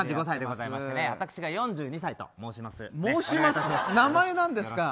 私が４２歳と申します。